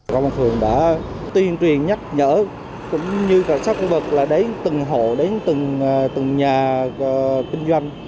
công an phường đã tuyên truyền nhắc nhở cũng như cảnh sát khu vực là đến từng hộ đến từng nhà kinh doanh